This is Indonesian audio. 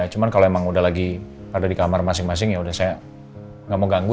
cuman kalau emang udah lagi ada di kamar masing masing ya udah saya gak mau ganggu